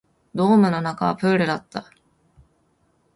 ドームの中はプールだった